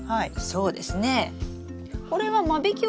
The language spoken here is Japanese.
そうですね。